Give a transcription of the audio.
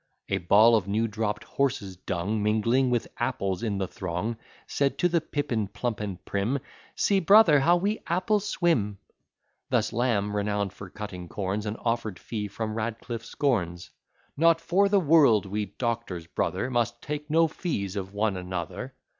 A ball of new dropp'd horse's dung, Mingling with apples in the throng, Said to the pippin plump and prim, "See, brother, how we apples swim." Thus Lamb, renown'd for cutting corns, An offer'd fee from Radcliff scorns, "Not for the world we doctors, brother, Must take no fees of one another."